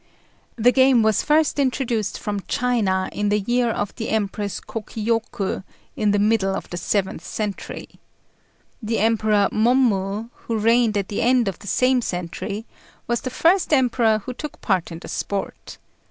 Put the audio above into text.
The game was first introduced from China in the year of the Empress Kôkiyoku, in the middle of the seventh century. The Emperor Mommu, who reigned at the end of the same century, was the first emperor who took part in the sport.